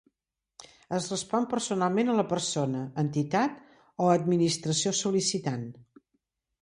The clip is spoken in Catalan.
Es respon personalment a la persona, entitat o administració sol·licitant.